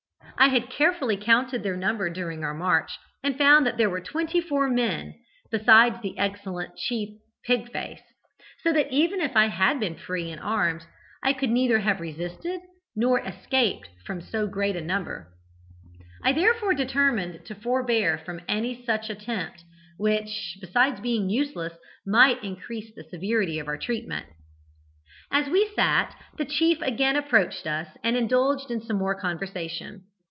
I had carefully counted their number during our march, and found that there were twenty four men, besides the excellent chief Pig face, so that even if I had been free and armed, I could neither have resisted nor escaped from so great a number. I therefore determined to forbear from any such attempt, which, besides being useless, might increase the severity of our treatment. "As we sat, the chief again approached us and indulged in some more conversation.